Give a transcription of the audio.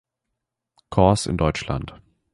Korps in Deutschland.